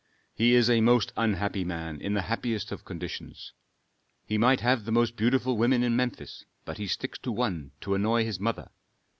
He is a most unhappy man in the happiest conditions. He might have the most beautiful women in Memphis, but he sticks to one to annoy his mother.